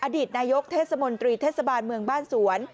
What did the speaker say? อดีตนายกเทศมนตรีเทศบาลเมืองบ้านสวน